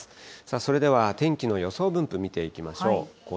それでは天気の予想分布、見ていきましょう。